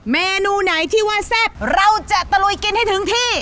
เมนูไหนที่ว่าแซ่บเราจะตะลุยกินให้ถึงที่